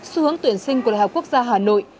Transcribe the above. xu hướng tuyển sinh của đại học quốc gia hà nội